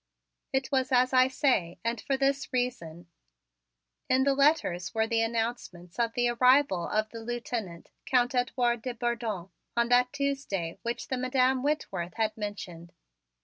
It was as I say, and for this reason: In the letters were announcements of the arrival of the Lieutenant, Count Edouard de Bourdon, on that Tuesday which the Madam Whitworth had mentioned.